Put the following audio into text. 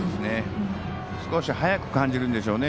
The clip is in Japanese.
少し速く感じるんでしょうね